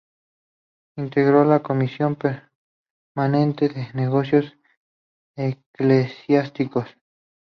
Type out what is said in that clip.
Integró la Comisión Permanente de Negocios Eclesiásticos.